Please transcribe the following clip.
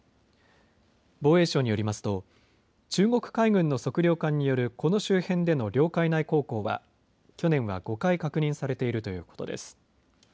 防衛省によりますと中国海軍の測量艦によるこの周辺での領海内航行は去年は５回確認されているということです。